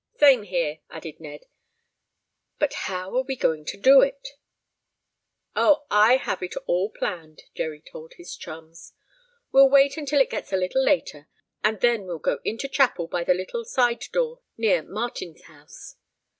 "Same here," added Ned. "But how are we going to do it?" "Oh, I have it all planned," Jerry told his chums. "We'll wait until it gets a little later, and then we'll go into chapel by the little side door near Martin's house."